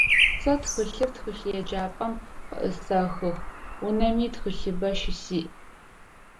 Сэ тхылъхэр тхылъеджапӏэм къыӏысэхых, унэми тхылъыбэ щысиӏ.